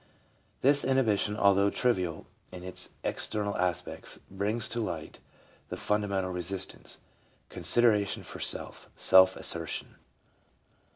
This in hibition, although trivial in its external aspect, brings to light the fundamental resistance : consideration for self, self assertion.